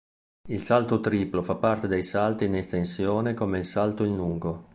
Il salto triplo fa parte dei salti in estensione come il salto in lungo.